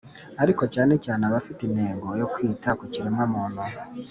Ariko cyane cyane abafite intego yo kwita ku kiremwamuntu